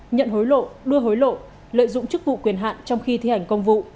nhận hối lộ đưa hối lộ lợi dụng chức vụ quyền hạn trong khi thi hành công vụ